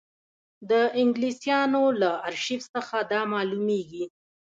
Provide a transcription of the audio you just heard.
د انګلیسیانو له ارشیف څخه دا معلومېږي.